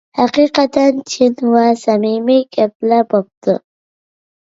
ھەقىقەتەن چىن ۋە سەمىمىي گەپلەر بوپتۇ.